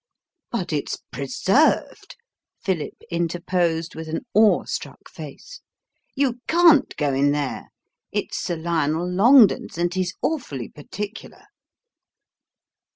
"But it's preserved," Philip interposed with an awestruck face. "You can't go in there: it's Sir Lionel Longden's, and he's awfully particular."